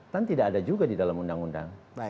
kan tidak ada juga di dalam undang undang